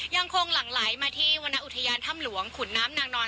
หลั่งไหลมาที่วรรณอุทยานถ้ำหลวงขุนน้ำนางนอน